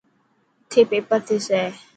اٿي پيپر ٿيسي.